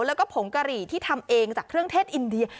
แล้วก็ผงกะหรี่ที่ทำเองจากเครื่องเทศอินเดีย